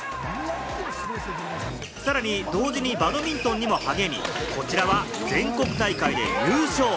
さらに同時にバドミントンにも励み、こちらは全国大会で優勝。